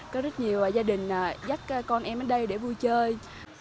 có rất nhiều gia đình dắt con em đến đây để vui chơi